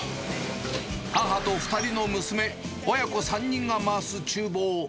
母と２人の娘、親子３人が回すちゅう房。